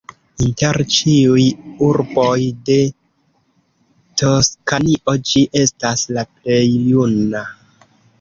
Inter ĉiuj urboj de Toskanio ĝi estas la plej juna.